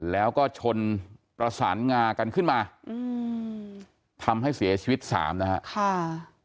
แล้วก็ชนประสานงากันขึ้นมาอืมทำให้เสียชีวิตสามนะฮะค่ะ